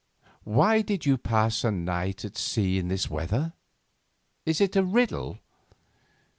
Why did you pass a night at sea in this weather? Is it a riddle?